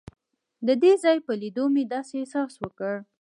د دې ځای په لیدو مې داسې احساس وکړ.